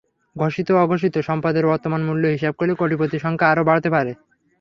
ঘোষিত-অঘোষিত সম্পদের বর্তমান মূল্য হিসাব করলে কোটিপতির সংখ্যা আরও বাড়তে পারে।